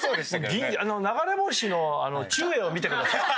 流れ星☆のちゅうえいを見てください。